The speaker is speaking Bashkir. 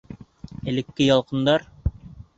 Элекке ялҡындар?